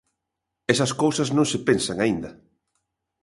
Esas cousas non se pensan aínda.